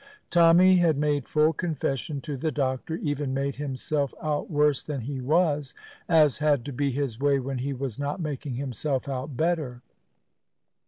Tommy had made full confession to the doctor, even made himself out worse than he was, as had to be his way when he was not making himself out better.